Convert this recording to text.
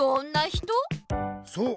そう。